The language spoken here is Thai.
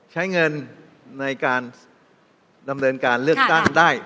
ใช้เงินในการดำเนินการเลือกตั้งได้